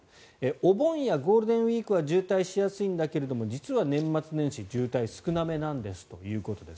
お盆やゴールデンウィークは渋滞しやすいんだけど実は年末年始渋滞少なめなんですということです。